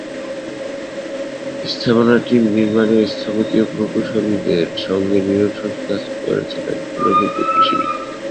স্থাপনাটি নির্মাণে স্থপতি ও প্রকৌশলীদের সঙ্গে নিরলস কাজ করেছেন একদল অভিজ্ঞ কৃষিবিদ।